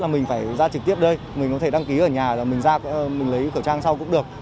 mình có thể đăng ký ở nhà rồi mình ra mình lấy khẩu trang sau cũng được